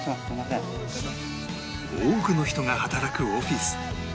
多くの人が働くオフィス